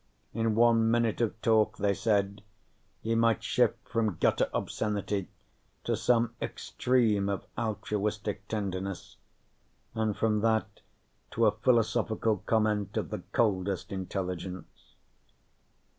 In one minute of talk, they said, he might shift from gutter obscenity to some extreme of altruistic tenderness, and from that to a philosophical comment of the coldest intelligence.